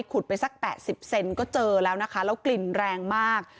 ไปสัก๘๐เซนก็เจอแล้วนะคะแล้วกลิ่นแรงมาก